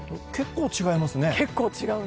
結構違いますね。